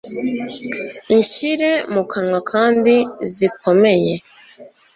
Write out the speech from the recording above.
nshyire mu kanwa kandi zikomeye.